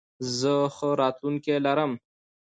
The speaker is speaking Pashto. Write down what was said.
زه ښه راتلونکې لرم.